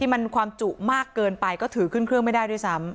มันความจุมากเกินไปก็ถือขึ้นเครื่องไม่ได้ด้วยซ้ำ